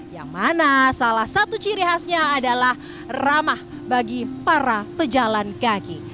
yang mana salah satu ciri khasnya adalah ramah bagi para pejalan kaki